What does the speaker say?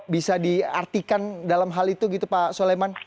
bisa diartikan dalam hal itu gitu pak soleman